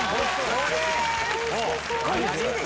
そうです！